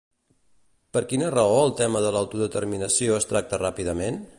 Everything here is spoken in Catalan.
Per quina raó el tema de l'autodeterminació es tracta ràpidament?